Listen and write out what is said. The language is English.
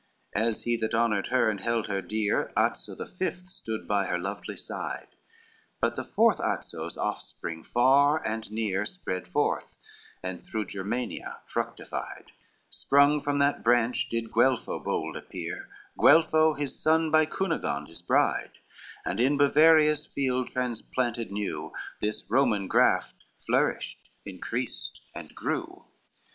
LXXIX As he that honored her and held her dear, Azzo the Fifth stood by her lovely side; But the fourth Azzo's offspring far and near Spread forth, and through Germania fructified; Sprung from the branch did Guelpho bold appear, Guelpho his son by Cunigond his bride, And in Bavaria's field transplanted new The Roman graft flourished, increased and grew.